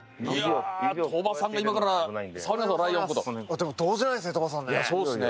でも動じないですね。